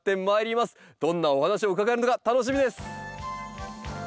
どんなお話を伺えるのか楽しみです。